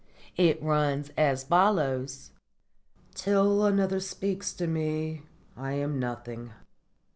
It runs as follows: '_Till another speaks to me I am nothing.